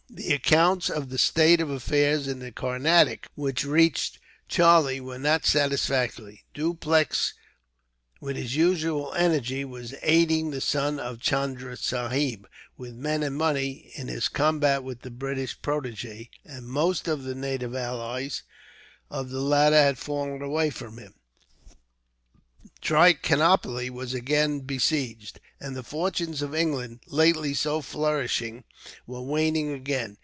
The accounts of the state of affairs in the Carnatic, which reached Charlie, were not satisfactory Dupleix, with his usual energy, was aiding the son of Chunda Sahib, with men and money, in his combat with the British protege; and most of the native allies of the latter had fallen away from him. Trichinopoli was again besieged, and the fortunes of England, lately so flourishing, were waning again.